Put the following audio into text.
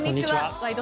「ワイド！